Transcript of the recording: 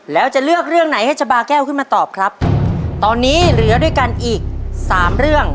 แล้วจะเลือกเรื่องไหนให้ชะบาแก้วขึ้นมาตอบครับตอนนี้เหลือด้วยกันอีกสามเรื่อง